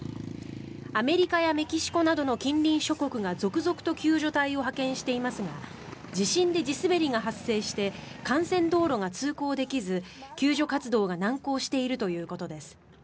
アメリカやメキシコなどの西欧諸国が続々と救助隊を派遣していますが地震で地滑りが発生して幹線道路が通行できず救助活動が難航しているということです。